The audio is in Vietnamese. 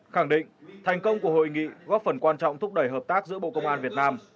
khẳng định thành công của hội nghị góp phần quan trọng thúc đẩy hợp tác giữa bộ công an việt nam